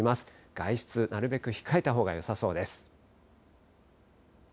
外出、なるべく控えたほうがよさそうです。